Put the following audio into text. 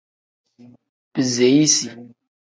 Biseyisi.